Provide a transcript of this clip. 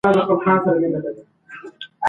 بهرنۍ پالیسي د اقتصادي پرمختګ مخه نه نیسي.